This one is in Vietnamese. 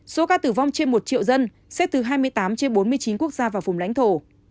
số ca tử vong trên một triệu dân xếp từ hai mươi tám trên bốn mươi chín quốc gia và vùng lãnh thổ